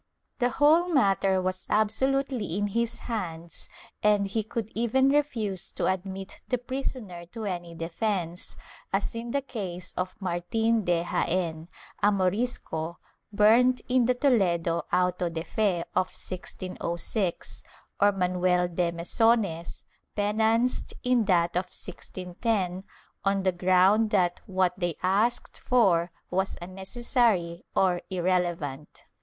^ The whole matter was absolutely in his hands and he could even refuse to admit the prisoner to any defence, as in the case of Martin de Jaen, a Morisco, burnt in the Toledo auto de fe of 1606, or Manuel de Mesones, penanced in that of 1610, on the ground that what they asked for was unnecessary or irrelevant.